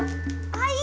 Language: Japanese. はい。